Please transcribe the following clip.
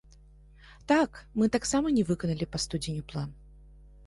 Так, мы таксама не выканалі па студзеню план.